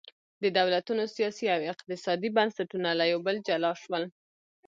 د دولتونو سیاسي او اقتصادي بنسټونه له یو بل جلا شول.